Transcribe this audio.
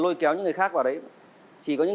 lôi kéo những người khác vào đấy chỉ có những